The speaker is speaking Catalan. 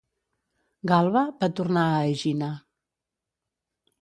Galba va tornar a Egina.